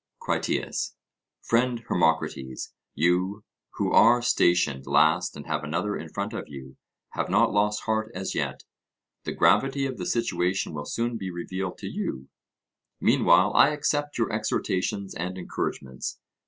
CRITIAS: Friend Hermocrates, you, who are stationed last and have another in front of you, have not lost heart as yet; the gravity of the situation will soon be revealed to you; meanwhile I accept your exhortations and encouragements.